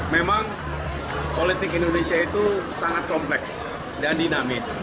memang politik indonesia itu sangat kompleks dan dinamis